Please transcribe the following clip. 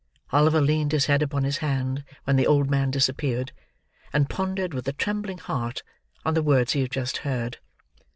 Oliver leaned his head upon his hand when the old man disappeared, and pondered, with a trembling heart, on the words he had just heard.